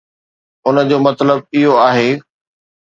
ان جو مطلب اهو آهي.